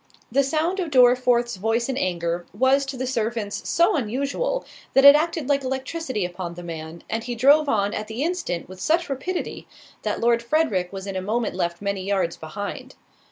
The sound of Dorriforth's voice in anger, was to the servants so unusual, that it acted like electricity upon the man, and he drove on at the instant with such rapidity, that Lord Frederick was in a moment left many yards behind.